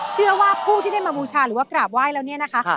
เชื่อว่าผู้ที่ได้มาบูชาหรือว่ากราบไหว้แล้วเนี่ยนะคะ